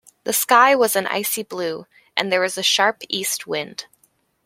The sky was an icy blue, and there was a sharp East wind